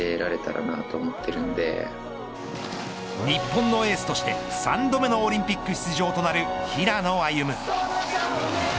日本のエースとして３度目のオリンピック出場となる平野歩夢。